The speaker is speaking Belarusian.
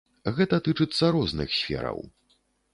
Гэта тычыцца розных сфераў.